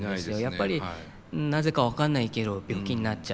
やっぱりなぜか分かんないけど病気になっちゃった。